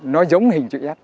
nó giống hình chữ s